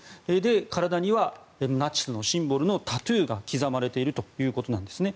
体にはナチスのシンボルのタトゥーが刻まれているということなんですね。